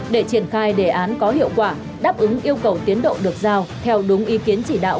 để triển khai đề án có hiệu quả đáp ứng yêu cầu tiến độ được giao theo đúng ý kiến chỉ đạo